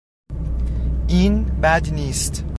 این بد نیست!